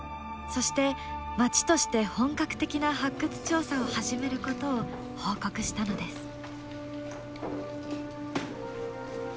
そして町として本格的な発掘調査を始めることを報告したのです。